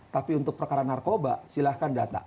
tapi untuk perkara narkoba silahkan data